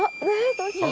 どうしよう？